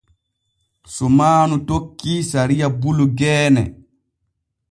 Sumaanu tokkii sariya bulu geene.